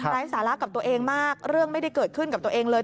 ไร้สาระกับตัวเองมากเรื่องไม่ได้เกิดขึ้นกับตัวเองเลย